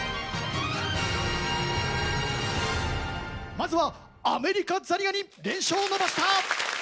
まずはアメリカザリガニ連勝を伸ばした！